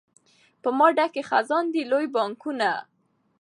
په ما ډکي خزانې دي لوی بانکونه